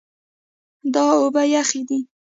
دا اوبه یخې دي.